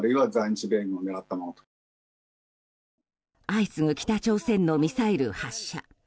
相次ぐ北朝鮮のミサイル発射。